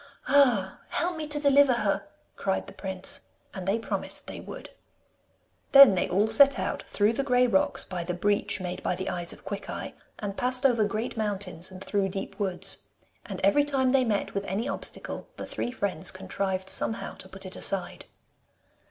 'Ah, help me to deliver her!' cried the prince. And they promised they would. Then they all set out through the grey rocks, by the breach made by the eyes of Quickeye, and passed over great mountains and through deep woods. And every time they met with any obstacle the three friends contrived somehow to put it aside.